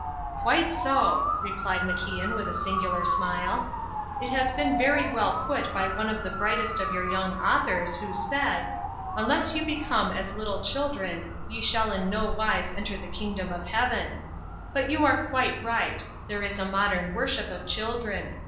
"Quite so," replied MacIan with a singular smile. "It has been very well put by one of the brightest of your young authors, who said: 'Unless you become as little children ye shall in no wise enter the kingdom of heaven.' But you are quite right; there is a modern worship of children.